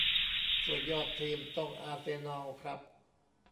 ส่วนยอดทีมต้องอาร์เซนอลครับ